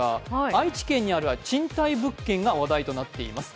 愛知県にある賃貸物件が話題となっています。